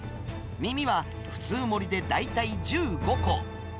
耳は普通盛りで大体１５個。